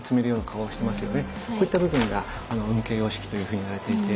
こういった部分が運慶様式というふうに言われていて。